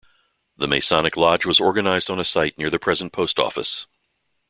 The Masonic lodge was organized on a site near the present post office.